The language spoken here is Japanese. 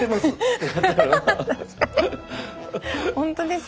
本当ですよ。